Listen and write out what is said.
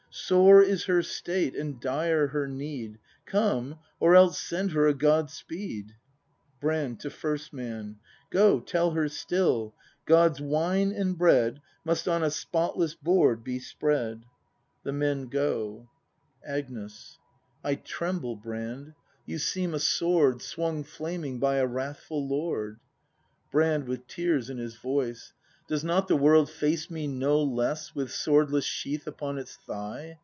Sore is her state and dire her need; Come, or else send her a God speed! Brand. [To First Man.] Go; tell her still: God's wine and bread Must on a spotless board be spread. [The Men go. 120 BRAND [ACT iii Agnes. I tremble, Brand. You seem a Sword Swung flaming by a wrathful Lord! Brand. [With tears in his voice.] Does not the world face me no less With swordless sheath upon its thigh?